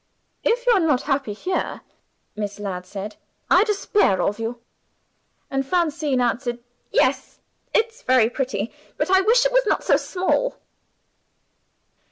"If you are not happy here," Miss Ladd said, "I despair of you." And Francine answered, "Yes, it's very pretty, but I wish it was not so small."